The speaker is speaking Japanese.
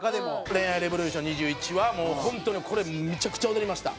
『恋愛レボリューション２１』はもう本当にこれめちゃくちゃ踊りました。